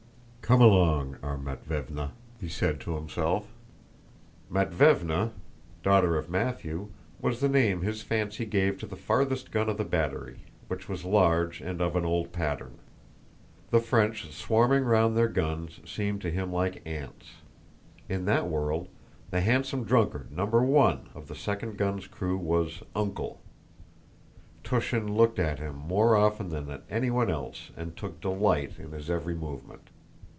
"Come along, our Matvévna!" he said to himself. "Matvévna" * was the name his fancy gave to the farthest gun of the battery, which was large and of an old pattern. The French swarming round their guns seemed to him like ants. In that world, the handsome drunkard Number One of the second gun's crew was "uncle"; Túshin looked at him more often than at anyone else and took delight in his every movement.